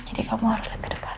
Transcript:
jadi kamu harus lebih depan